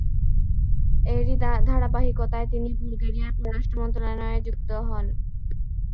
এরই ধারাবাহিকতায় তিনি বুলগেরিয়ার পররাষ্ট্র মন্ত্রণালয়ে নিযুক্ত হন।